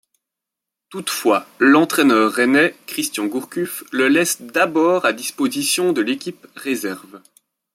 Toutefois, l'entraîneur rennais Christian Gourcuff le laisse d'abord à disposition de l'équipe réserve.